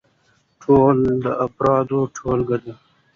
ټولنه د افرادو ټولګه ده.